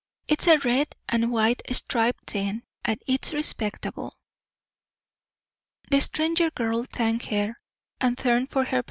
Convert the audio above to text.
It's a red an' white striped tent and it's respectable." The stranger girl thanked her, and turned for her bag.